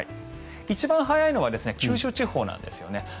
一番早いのは九州地方なんですね。